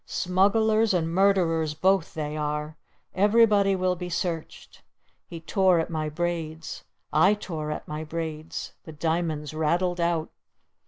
Smugglers and murderers both they are! Everybody will be searched!' He tore at my braids! I tore at my braids! The diamonds rattled out!